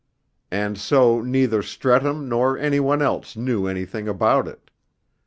And so neither Streatham nor any one else knew anything about it.